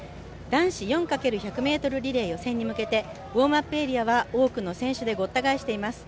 男子４×１００ｍリレーの予選に向けてウオームアップエリアは多くの選手でごった返しています。